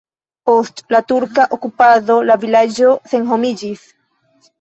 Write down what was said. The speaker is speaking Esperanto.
Post la turka okupado la vilaĝo senhomiĝis.